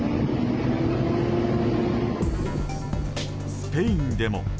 スペインでも。